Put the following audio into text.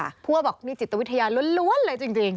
เพราะว่าบอกนี่จิตวิทยาล้วนเลยจริง